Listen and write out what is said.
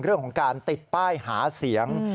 เรื่องของการติดป้ายหาเสียง